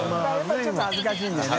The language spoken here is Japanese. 僂ちょっと恥ずかしいんだよね。